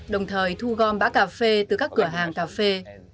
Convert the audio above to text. đồng thời thu gom bã cà phê từ các cửa hàng cà phê